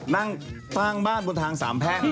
นั่งตรงบ้านทางสามแพง